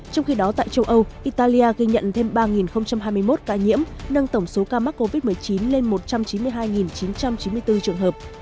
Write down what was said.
trong khi đó tại châu âu italia ghi nhận thêm ba hai mươi một ca nhiễm nâng tổng số ca mắc covid một mươi chín lên một trăm chín mươi hai chín trăm chín mươi bốn trường hợp